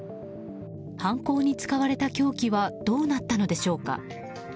犯行に使われた凶器はどうなったのでしょうか。